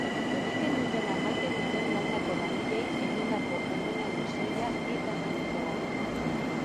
Egiten dutena maite duten landako langileei egindako omenaldi soila eta zintzoa.